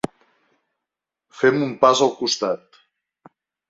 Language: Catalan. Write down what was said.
Fem un pas al costat.